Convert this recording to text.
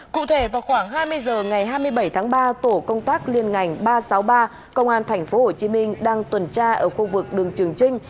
cụ thể vào khoảng hai mươi h ngày hai mươi bảy tháng ba tổ công tác liên ngành ba trăm sáu mươi ba công an tp hcm đang tuần tra ở khu vực đường trường trinh